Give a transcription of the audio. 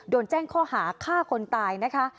โดนแจ้งข้อหาฆ่าคนตายนะคะ